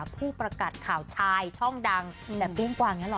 ผู้ประกัดข่าวชายช่องดังแบบเบี้ยงกว่านี้หรอ